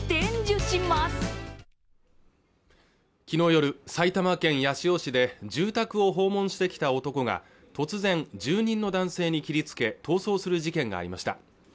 昨日夜埼玉県八潮市で住宅を訪問してきた男が突然住人の男性に切りつけ逃走する事件がありました